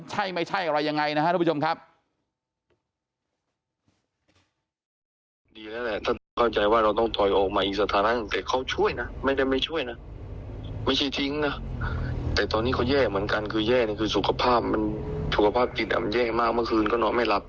ใช่ไม่ใช่อะไรยังไงนะครับทุกผู้ชมครับ